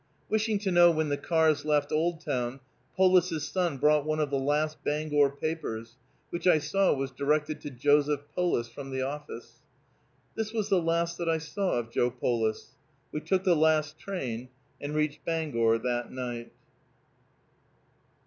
Wishing to know when the cars left Oldtown, Polis's son brought one of the last Bangor papers, which I saw was directed to "Joseph Polis," from the office. This was the last that I saw of Joe Polis. We took the last train, and reached Bangor that night.